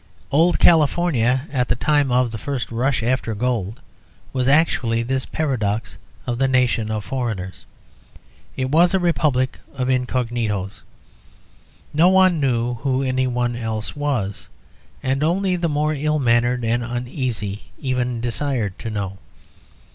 Old California, at the time of the first rush after gold, was actually this paradox of the nation of foreigners. It was a republic of incognitos: no one knew who anyone else was, and only the more ill mannered and uneasy even desired to know.